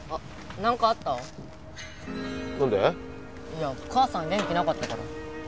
いや母さん元気なかったから。